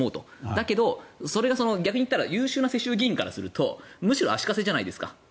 だけどそれが逆に言ったら優秀な世襲議員からするとむしろ足かせじゃないですか。